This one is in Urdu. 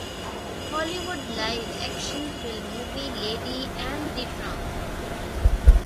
ہالی would live action thriller movie lady and the Trump